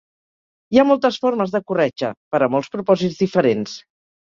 Hi ha moltes formes de corretja, per a molts propòsits diferents.